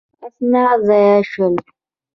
اسناد ضایع شول.